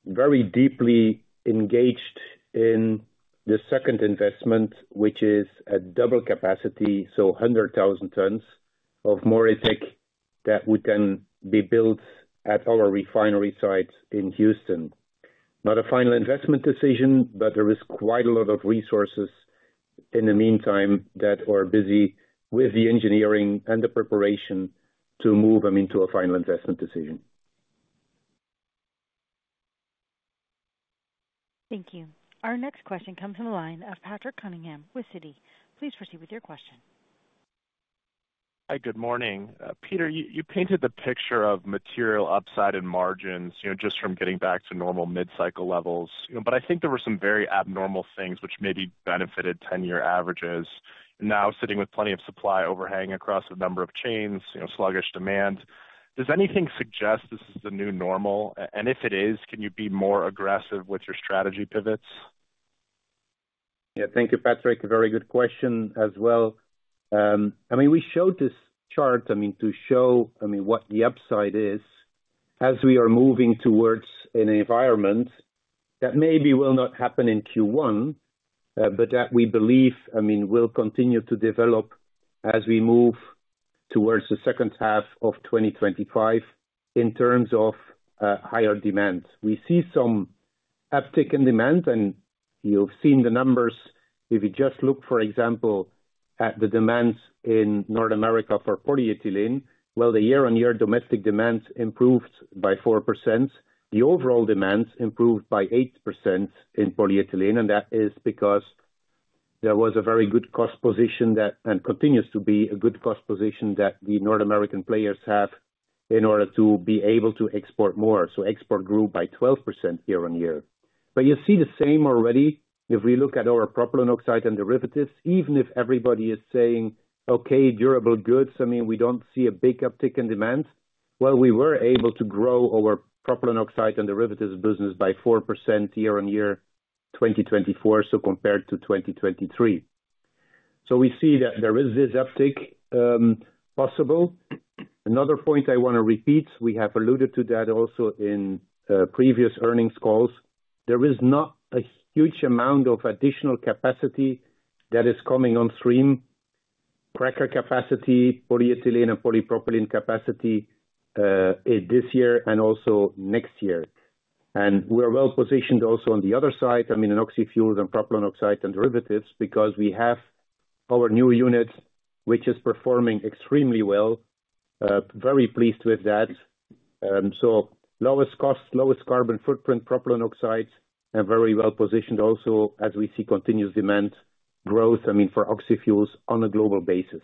very deeply engaged in the second investment, which is a double capacity, so 100,000 tons of MoReTec that would then be built at our refinery sites in Houston. Not a final investment decision, but there is quite a lot of resources in the meantime that are busy with the engineering and the preparation to move, I mean, to a final investment decision. Thank you. Our next question comes from the line of Patrick Cunningham with Citi. Please proceed with your question. Hi, good morning. Peter, you painted the picture of material upside and margins, you know, just from getting back to normal mid-cycle levels. But I think there were some very abnormal things which maybe benefited 10-year averages. Now, sitting with plenty of supply overhanging across a number of chains, you know, sluggish demand. Does anything suggest this is the new normal? If it is, can you be more aggressive with your strategy pivots? Yeah, thank you, Patrick. Very good question as well. I mean, we showed this chart, I mean, to show, I mean, what the upside is as we are moving towards an environment that maybe will not happen in Q1, but that we believe, I mean, will continue to develop as we move towards the second half of 2025 in terms of higher demand. We see some uptick in demand, and you've seen the numbers. If you just look, for example, at the demand in North America for polyethylene, well, the year-on-year domestic demand improved by 4%. The overall demand improved by 8% in polyethylene, and that is because there was a very good cost position that, and continues to be a good cost position that the North American players have in order to be able to export more, so export grew by 12% year-on-year, but you see the same already if we look at our propylene oxide and derivatives. Even if everybody is saying, "Okay, durable goods," I mean, we don't see a big uptick in demand, well, we were able to grow our propylene oxide and derivatives business by 4% year-on-year 2024, so compared to 2023, so we see that there is this uptick possible. Another point I want to repeat. We have alluded to that also in previous earnings calls. There is not a huge amount of additional capacity that is coming on stream, cracker capacity, polyethylene and polypropylene capacity this year and also next year. We're well-positioned also on the other side, I mean, in oxy fuels and propylene oxide and derivatives because we have our new unit, which is performing extremely well. Very pleased with that. So lowest cost, lowest carbon footprint propylene oxides, and very well-positioned also as we see continuous demand growth, I mean, for oxy fuels on a global basis.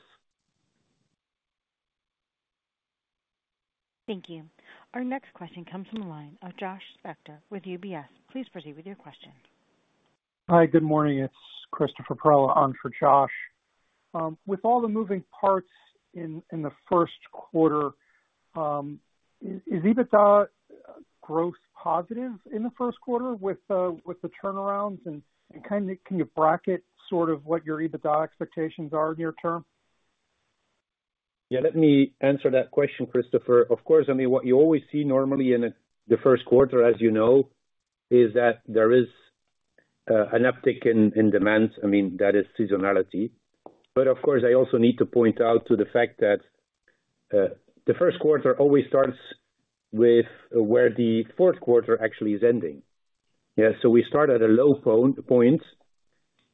Thank you. Our next question comes from the line of Josh Spector with UBS. Please proceed with your question. Hi, good morning. It's Christopher Perrella on for Josh. With all the moving parts in the first quarter, is EBITDA growth positive in the first quarter with the turnarounds? Kind of can you bracket sort of what your EBITDA expectations are near term? Yeah, let me answer that question, Christopher. Of course, I mean, what you always see normally in the first quarter, as you know, is that there is an uptick in demand. I mean, that is seasonality. But of course, I also need to point out to the fact that the first quarter always starts with where the fourth quarter actually is ending. Yeah, so we start at a low point,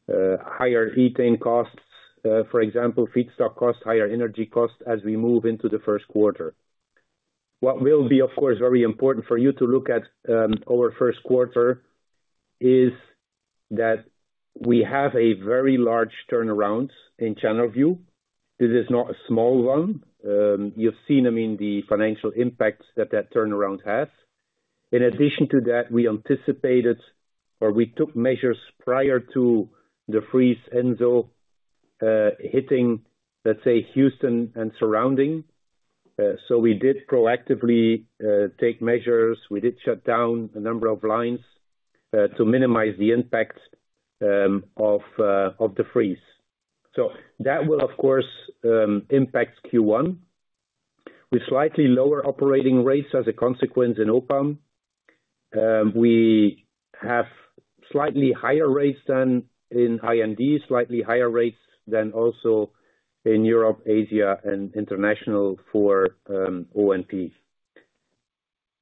higher ethane costs, for example, feedstock cost, higher energy cost as we move into the first quarter. What will be, of course, very important for you to look at our first quarter is that we have a very large turnaround in Channelview. This is not a small one. You've seen, I mean, the financial impact that that turnaround has. In addition to that, we anticipated or we took measures prior to the freeze Enzo hitting, let's say, Houston and surrounding. So we did proactively take measures. We did shut down a number of lines to minimize the impact of the freeze. So that will, of course, impact Q1. We're slightly lower operating rates as a consequence in OPAM. We have slightly higher rates than in IND, slightly higher rates than also in Europe, Asia, and international for O&P.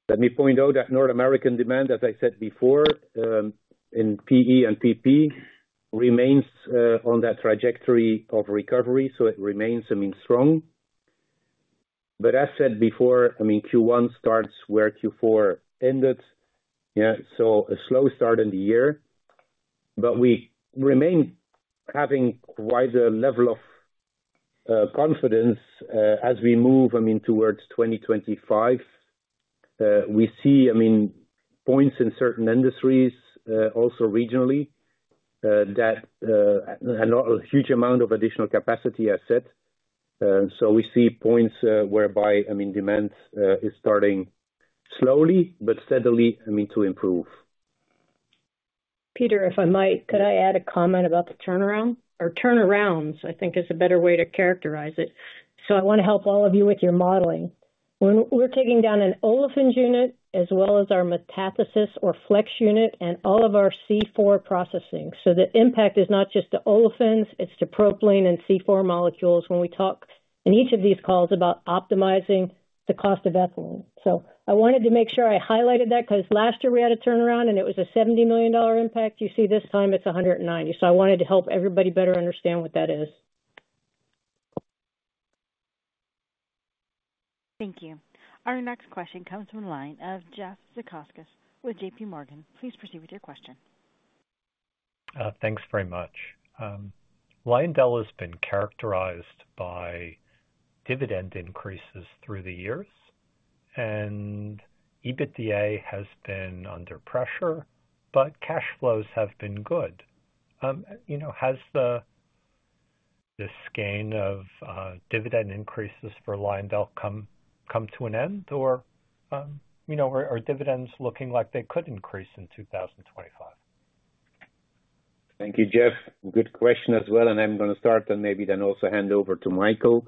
Let me point out that North American demand, as I said before, in PE and PP remains on that trajectory of recovery. So it remains, I mean, strong. But as said before, I mean, Q1 starts where Q4 ended. Yeah, so a slow start in the year. But we remain having quite a level of confidence as we move, I mean, towards 2025. We see, I mean, points in certain industries, also regionally, that a huge amount of additional capacity has set. So we see points whereby, I mean, demand is starting slowly but steadily, I mean, to improve. Peter, if I might, could I add a comment about the turnaround? Or turnarounds, I think, is a better way to characterize it. So I want to help all of you with your modeling. We're taking down an olefins unit as well as our metathesis or flex unit and all of our C4 processing. So the impact is not just to olefins, it's to propylene and C4 molecules when we talk in each of these calls about optimizing the cost of ethylene. So I wanted to make sure I highlighted that because last year we had a turnaround and it was a $70 million impact. You see this time it's $190 million. So I wanted to help everybody better understand what that is. Thank you. Our next question comes from the line of Jeff Zekauskas with J.P. Morgan. Please proceed with your question. Thanks very much. LyondellBasell has been characterized by dividend increases through the years, and EBITDA has been under pressure, but cash flows have been good. You know, has this gain of dividend increases for LyondellBasell come to an end or, you know, are dividends looking like they could increase in 2025? Thank you, Jeff. Good question as well, and I'm going to start and maybe then also hand over to Michael.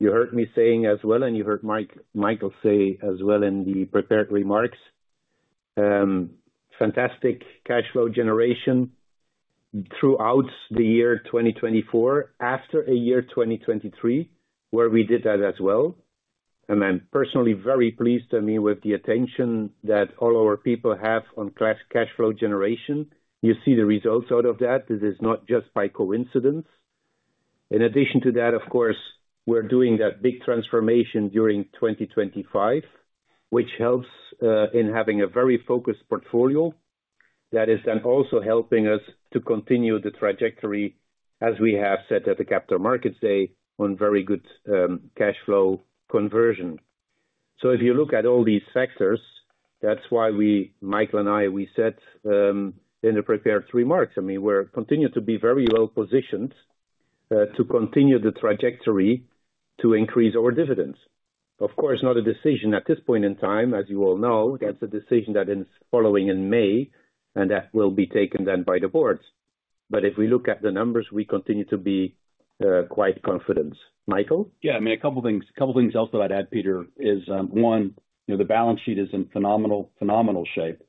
You heard me saying as well, and you heard Michael say as well in the prepared remarks. Fantastic cash flow generation throughout the year 2024 after a year 2023 where we did that as well, and I'm personally very pleased, I mean, with the attention that all our people have on cash flow generation. You see the results out of that. This is not just by coincidence. In addition to that, of course, we're doing that big transformation during 2025, which helps in having a very focused portfolio that is then also helping us to continue the trajectory as we have said at the capital markets day on very good cash flow conversion. So if you look at all these factors, that's why we, Michael and I, we said in the prepared remarks, I mean, we're continuing to be very well-positioned to continue the trajectory to increase our dividends. Of course, not a decision at this point in time, as you all know, that's a decision that is following in May and that will be taken then by the boards. But if we look at the numbers, we continue to be quite confident. Michael? Yeah, I mean, a couple of things, a couple of things else that I'd add, Peter, is one, you know, the balance sheet is in phenomenal, phenomenal shape.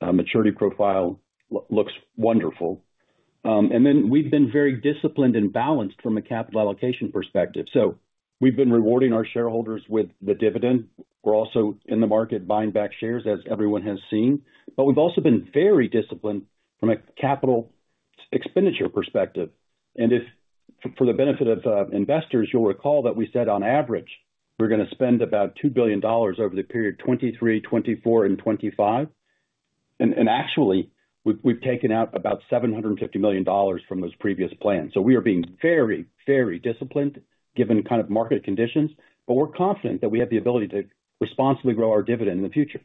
Maturity profile looks wonderful. Then we've been very disciplined and balanced from a capital allocation perspective. So we've been rewarding our shareholders with the dividend. We're also in the market buying back shares, as everyone has seen. But we've also been very disciplined from a capital expenditure perspective. If for the benefit of investors, you'll recall that we said on average we're going to spend about $2 billion over the period 2023, 2024, and 2025. And actually, we've taken out about $750 million from those previous plans. So we are being very, very disciplined given kind of market conditions, but we're confident that we have the ability to responsibly grow our dividend in the future.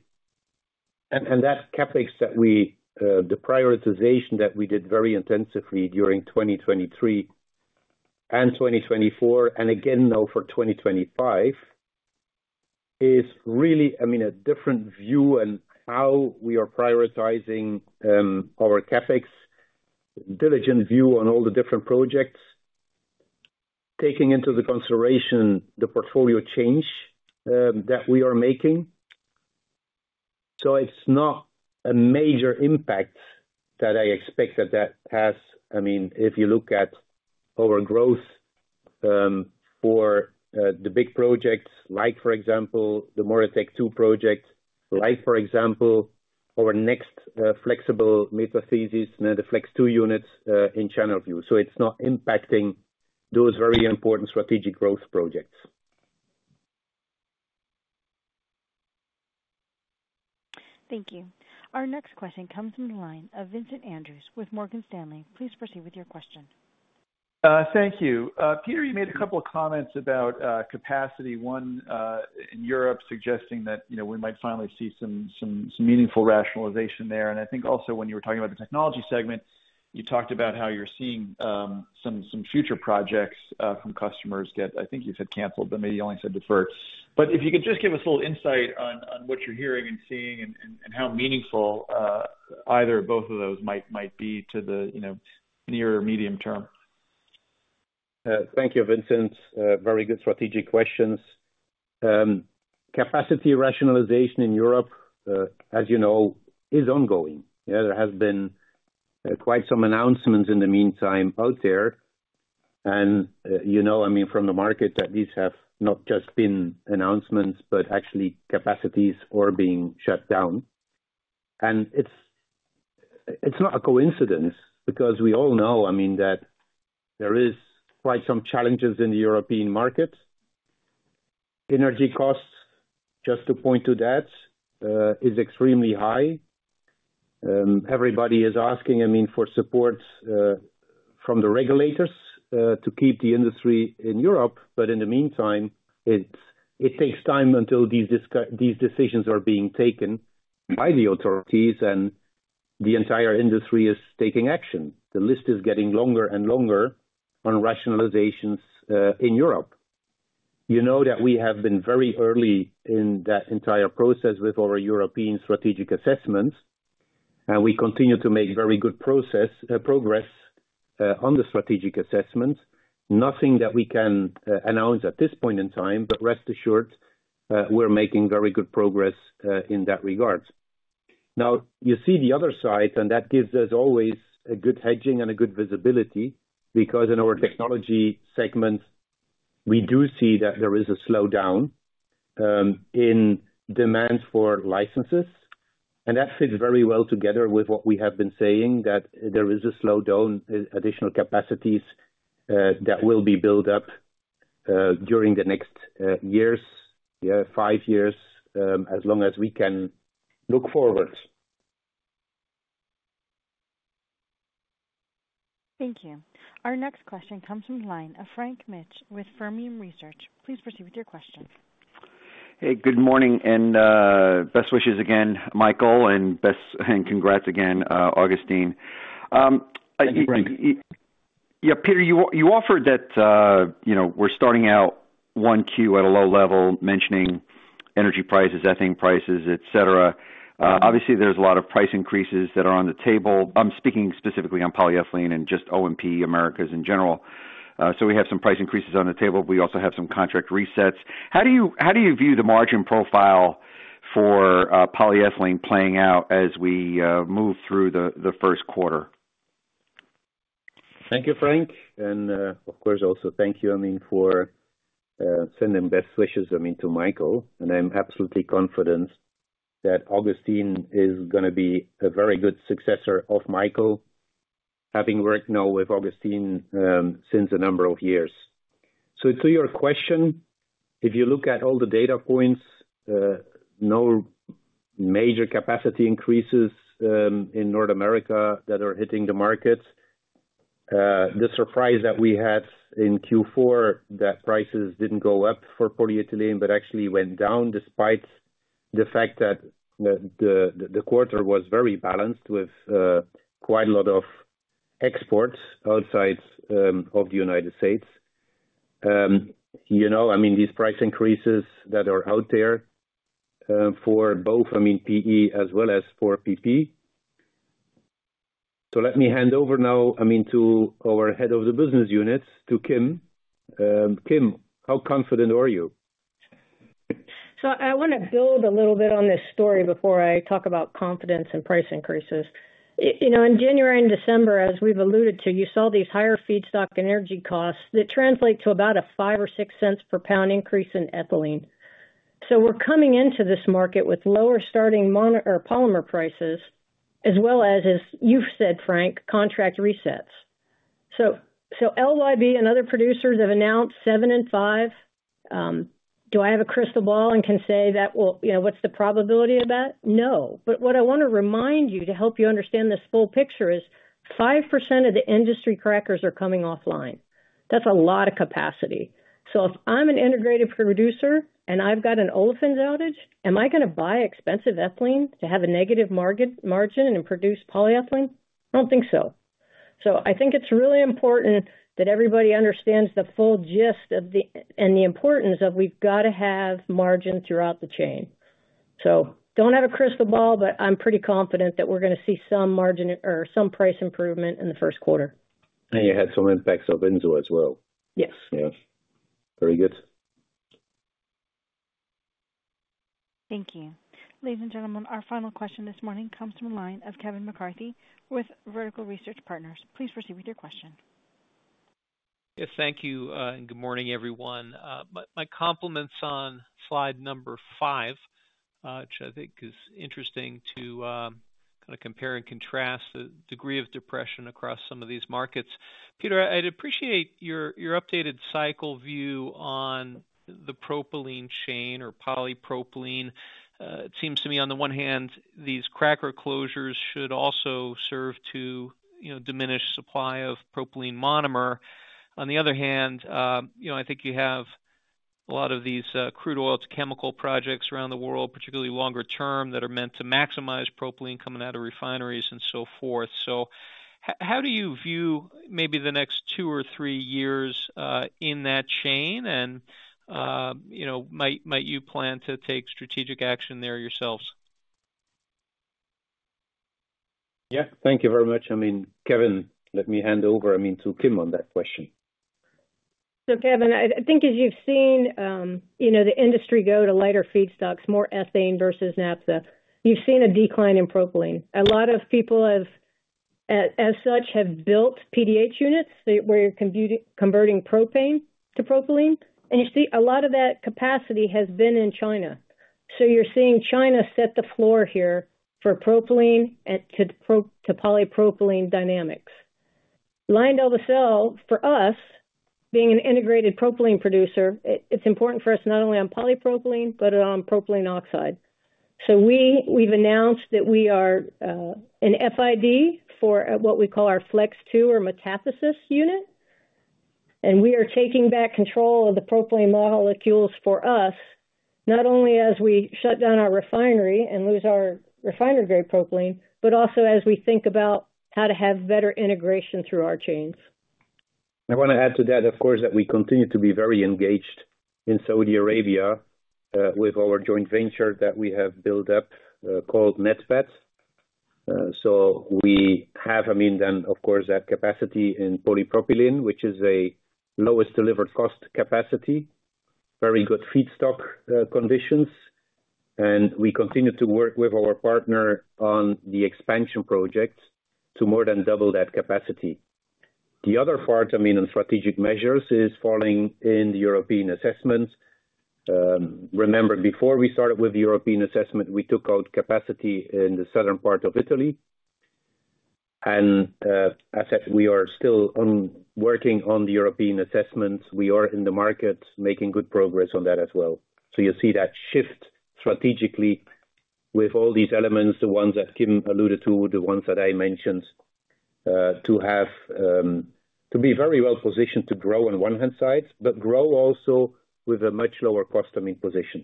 That CapEx that we, the prioritization that we did very intensively during 2023 and 2024, and again now for 2025, is really, I mean, a different view on how we are prioritizing our CapEx, diligent view on all the different projects, taking into consideration the portfolio change that we are making. So it's not a major impact that I expect that that has. I mean, if you look at our growth for the big projects, like for example, the MoReTec 2 project, like for example, our next flexible metathesis and the Flex 2 units in Channelview. So it's not impacting those very important strategic growth projects. Thank you. Our next question comes from the line of Vincent Andrews with Morgan Stanley. Please proceed with your question. Thank you. Peter, you made a couple of comments about capacity, one in Europe suggesting that, you know, we might finally see some meaningful rationalization there. I think also when you were talking about the technology segment, you talked about how you're seeing some future projects from customers get, I think you said canceled, but maybe you only said deferred. But if you could just give us a little insight on what you're hearing and seeing and how meaningful either or both of those might be to the, you know, near or medium term. Thank you, Vincent. Very good strategic questions. Capacity rationalization in Europe, as you know, is ongoing. Yeah, there have been quite some announcements in the meantime out there. You know, I mean, from the market, at least have not just been announcements, but actually capacities are being shut down. It's not a coincidence because we all know, I mean, that there are quite some challenges in the European market. Energy costs, just to point to that, are extremely high. Everybody is asking, I mean, for support from the regulators to keep the industry in Europe. But in the meantime, it takes time until these decisions are being taken by the authorities and the entire industry is taking action. The list is getting longer and longer on rationalizations in Europe. You know that we have been very early in that entire process with our European strategic assessments, and we continue to make very good progress on the strategic assessments. Nothing that we can announce at this point in time, but rest assured, we're making very good progress in that regard. Now, you see the other side, and that gives us always a good hedging and a good visibility because in our technology segment, we do see that there is a slowdown in demand for licenses, and that fits very well together with what we have been saying, that there is a slowdown, additional capacities that will be built up during the next years, yeah, five years, as long as we can look forward. Thank you. Our next question comes from the line of Frank Mitsch with Fermium Research. Please proceed with your question. Hey, good morning and best wishes again, Michael, and best and congrats again, Agustin. Yeah, Peter, you offered that, you know, we're starting out one Q at a low level, mentioning energy prices, ethane prices, et cetera. Obviously, there's a lot of price increases that are on the table. I'm speaking specifically on polyethylene and just O&P Americas in general. So we have some price increases on the table. We also have some contract resets. How do you view the margin profile for polyethylene playing out as we move through the first quarter? Thank you, Frank. Of course, also thank you, I mean, for sending best wishes, I mean, to Michael. I'm absolutely confident that Agustin is going to be a very good successor of Michael, having worked now with Agustin since a number of years. So to your question, if you look at all the data points, no major capacity increases in North America that are hitting the market. The surprise that we had in Q4, that prices didn't go up for polyethylene, but actually went down despite the fact that the quarter was very balanced with quite a lot of exports outside of the United States. You know, I mean, these price increases that are out there for both, I mean, PE as well as for PP. So let me hand over now, I mean, to our head of the business unit, to Kim. Kim, how confident are you? So I want to build a little bit on this story before I talk about confidence in price increases. You know, in January and December, as we've alluded to, you saw these higher feedstock and energy costs that translate to about a $0.05 or $0.06 per pound increase in ethylene. So we're coming into this market with lower starting monomer prices, as well as, as you've said, Frank, contract resets. So LYB and other producers have announced seven and five. Do I have a crystal ball and can say that, well, you know, what's the probability of that? No. But what I want to remind you to help you understand this full picture is 5% of the industry crackers are coming offline. That's a lot of capacity. So if I'm an integrated producer and I've got an olefins outage, am I going to buy expensive ethylene to have a negative margin and produce polyethylene? I don't think so. So I think it's really important that everybody understands the full gist of the and the importance of we've got to have margin throughout the chain. So don't have a crystal ball, but I'm pretty confident that we're going to see some margin or some price improvement in the first quarter. You had some impacts of Enzo as well. Yes. Yeah. Very good. Thank you. Ladies and gentlemen, our final question this morning comes from the line of Kevin McCarthy with Vertical Research Partners. Please proceed with your question. Yes, thank you. Good morning, everyone. My compliments on slide number five, which I think is interesting to kind of compare and contrast the degree of depression across some of these markets. Peter, I'd appreciate your updated cycle view on the propylene chain or polypropylene. It seems to me, on the one hand, these cracker closures should also serve to, you know, diminish supply of propylene monomer. On the other hand, you know, I think you have a lot of these crude oil to chemical projects around the world, particularly longer term, that are meant to maximize propylene coming out of refineries and so forth. So how do you view maybe the next two or three years in that chain? And, you know, might you plan to take strategic action there yourselves? Yeah, thank you very much. I mean, Kevin, let me hand over, I mean, to Kim on that question. So Kevin, I think as you've seen, you know, the industry go to lighter feedstocks, more ethane versus naphtha, you've seen a decline in propylene. A lot of people have, as such, have built PDH units where you're converting propane to propylene. You see a lot of that capacity has been in China. So you're seeing China set the floor here for propylene and to polypropylene dynamics. LyondellBasell, for us, being an integrated propylene producer, it's important for us not only on polypropylene, but on propylene oxide. So we've announced that we are an FID for what we call our flex 2 or metathesis unit. We are taking back control of the propylene molecules for us, not only as we shut down our refinery and lose our refinery-grade propylene, but also as we think about how to have better integration through our chains. I want to add to that, of course, that we continue to be very engaged in Saudi Arabia with our joint venture that we have built up called NATPET. So we have, I mean, then, of course, that capacity in polypropylene, which is a lowest delivered cost capacity, very good feedstock conditions. We continue to work with our partner on the expansion project to more than double that capacity. The other part, I mean, on strategic measures is focusing on the European asset assessments. Remember, before we started with the European asset assessment, we took out capacity in the southern part of Italy. As I said, we are still working on the European asset assessments. We are in the market making good progress on that as well. So you see that shift strategically with all these elements, the ones that Kim alluded to, the ones that I mentioned, to be very well positioned to grow on one hand side, but grow also with a much lower cost, I mean, position.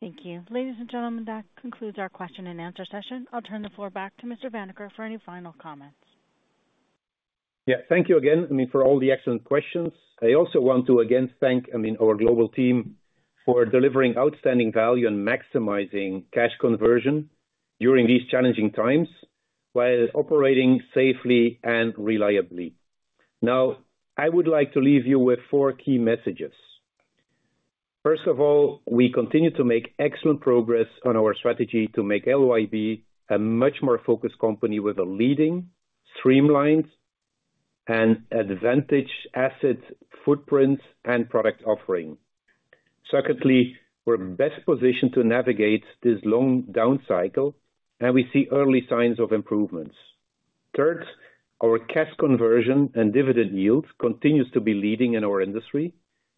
Thank you. Ladies and gentlemen, that concludes our question and answer session. I'll turn the floor back to Mr. Vanacker for any final comments. Yeah, thank you again, I mean, for all the excellent questions. I also want to again thank, I mean, our global team for delivering outstanding value and maximizing cash conversion during these challenging times while operating safely and reliably. Now, I would like to leave you with four key messages. First of all, we continue to make excellent progress on our strategy to make LYB a much more focused company with a leading, streamlined, and advantageous asset footprint and product offering. Secondly, we're best positioned to navigate this long down cycle, and we see early signs of improvements. Third, our cash conversion and dividend yields continue to be leading in our industry,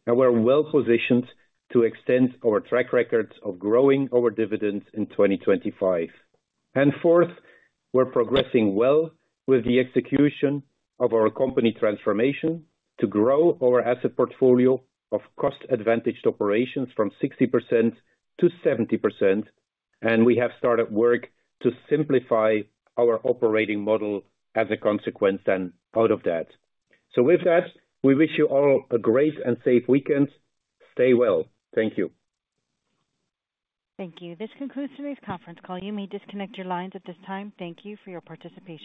and we're well positioned to extend our track records of growing our dividends in 2025. Fourth, we're progressing well with the execution of our company transformation to grow our asset portfolio of cost-advantaged operations from 60%-70%. We have started work to simplify our operating model as a consequence then out of that. So with that, we wish you all a great and safe weekend. Stay well. Thank you. Thank you. This concludes today's conference call. You may disconnect your lines at this time. Thank you for your participation.